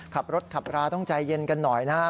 ขับรถขับราต้องใจเย็นกันหน่อยนะครับ